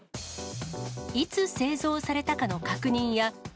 いつ製造されたかの確認や。